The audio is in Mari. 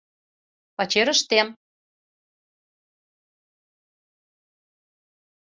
Пачерыштем.